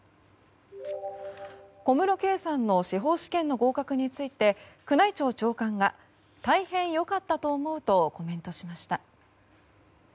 小室圭さんの司法試験の合格について宮内庁長官が大変良かったと思うとコメントしました。